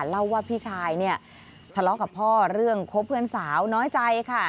เล่าว่าพี่ชายเนี่ยทะเลาะกับพ่อเรื่องคบเพื่อนสาวน้อยใจค่ะ